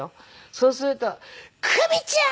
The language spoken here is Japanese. そうすると「クミちゃん！」